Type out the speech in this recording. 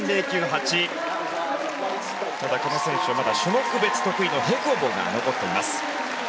ただ、この選手まだ種目別得意の平行棒が残っています。